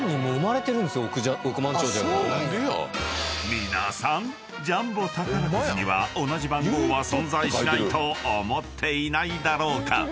［皆さんジャンボ宝くじには同じ番号は存在しないと思っていないだろうか？］